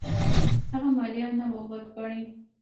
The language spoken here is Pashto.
هغه مالیه نه وه ورکړې.